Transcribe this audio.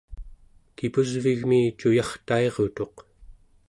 kipusvigmi cuyartairutuq